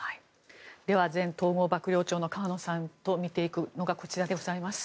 では、前統合幕僚長の河野さんと見ていくのがこちらでございます。